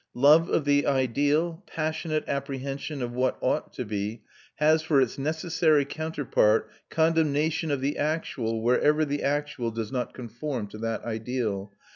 Love of the ideal, passionate apprehension of what ought to be, has for its necessary counterpart condemnation of the actual, wherever the actual does not conform to that ideal.